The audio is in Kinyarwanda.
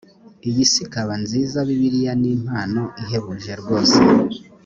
iyi si ikaba nziza bibiliya ni impano ihebuje rwose